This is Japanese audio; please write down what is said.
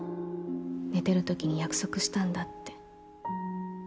寝てるときに約束したんだって。